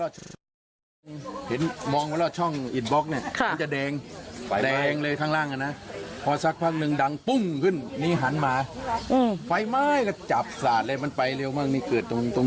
ช่วงตรงนี้ใช่ไหมที่ร่าดังบึ้มแต่ไม่ได้มาจากทางด้านลง